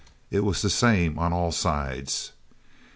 It was the same on all sides.